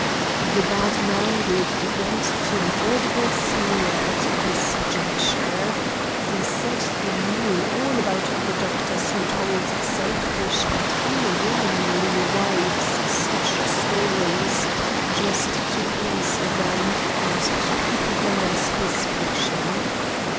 The bad man gave vent to an audible sneer at this juncture. He said he knew all about the doctors who told selfish and unwomanly wives such stories, just to please them and to keep them as his patients.